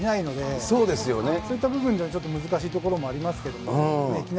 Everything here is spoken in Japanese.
そういった部分では難しいところもありますけども。